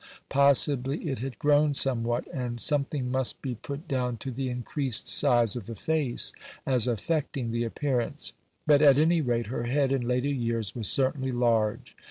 Possibly it had grown somewhat, and something must be put down to the increased size of the face as affecting the appearance; but at any rate her head in later years was certainly large.